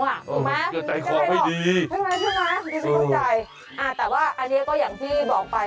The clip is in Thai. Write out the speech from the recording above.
ถูกไหมก็ได้หรอใช่ไหมถูกไหมดูได้เข้าใจอันนี้ก็อย่างที่บอกไป